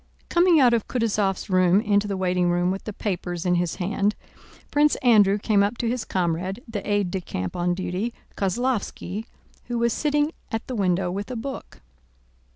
Coming out of Kutúzov's room into the waiting room with the papers in his hand Prince Andrew came up to his comrade, the aide de camp on duty, Kozlóvski, who was sitting at the window with a book.